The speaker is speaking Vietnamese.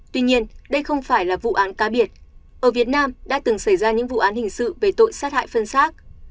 tuy nhiên đây không phải là vụ án cá biệt ở việt nam đã từng xảy ra những vụ án hình sự về tội sát hại phân xác